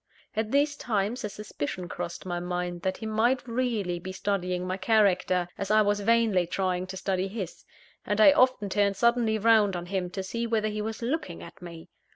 At these times a suspicion crossed my mind that he might really be studying my character, as I was vainly trying to study his; and I often turned suddenly round on him, to see whether he was looking at me.